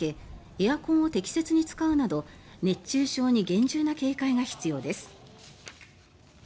エアコンを適切に使うなど熱中症に厳重な警戒が必要です。